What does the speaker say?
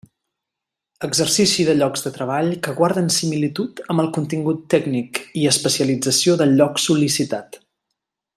Exercici de llocs de treball que guarden similitud amb el contingut tècnic i especialització del lloc sol·licitat.